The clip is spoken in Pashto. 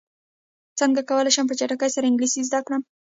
څنګه کولی شم په چټکۍ سره انګلیسي زده کړم